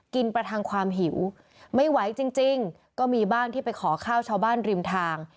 ประทังความหิวไม่ไหวจริงก็มีบ้านที่ไปขอข้าวชาวบ้านริมทาง